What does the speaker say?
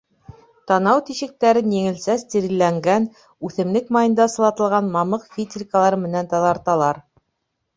Танау тишектәрен еңелсә стерилләнгән үҫемлек майында сылатылған мамыҡ фитилькалар менән таҙарталар.